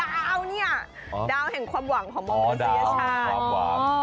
ดาวเนี่ยดาวแห่งความหวังของมองกันเสียชาย